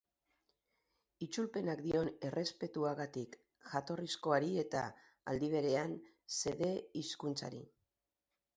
Itzulpenak dion errespetuagatik jatorrizkoari eta, aldi berean, xede-hizkuntzari.